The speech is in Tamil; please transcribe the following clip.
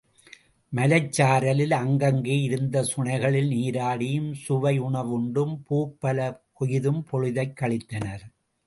மலைச் சாரலில் அங்கங்கே இருந்த சுனைகளில் நீராடியும் சுவையுணவுண்டும் பூப் பல கொய்தும் பொழுதைக் கழித்தனர்.